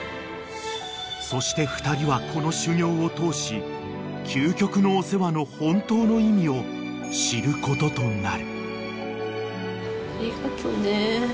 ［そして２人はこの修業を通し究極のお世話の本当の意味を知ることとなる］